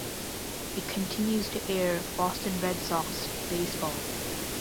It continues to air Boston Red Sox baseball.